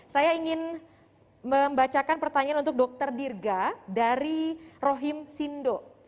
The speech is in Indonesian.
saya ingin membacakan pertanyaan untuk dr dirga dari rohim sindo